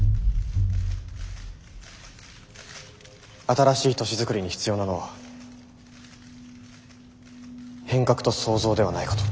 新しい都市づくりに必要なのは変革と創造ではないかと。